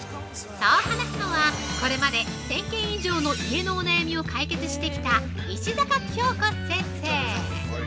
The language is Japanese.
◆そう話すのは、これまで１０００軒以上の家のお悩みを解決してきた石阪京子先生。